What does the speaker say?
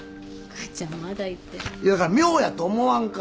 そやから妙やと思わんか？